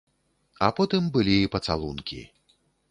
А потым былі і пацалункі.